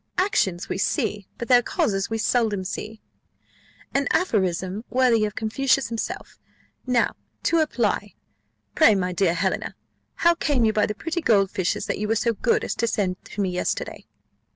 "Actions we see, but their causes we seldom see an aphorism worthy of Confucius himself: now to apply. Pray, my dear Helena, how came you by the pretty gold fishes that you were so good as to send to me yesterday?"